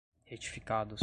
retificados